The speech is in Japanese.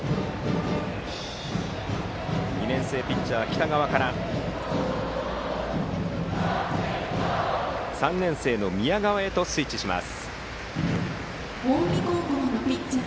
２年生ピッチャーの北川から３年生の宮川へとスイッチします。